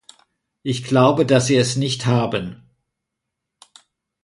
Ich glaube, dass sie es nicht haben.